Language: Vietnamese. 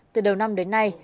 từ đầu năm đến nay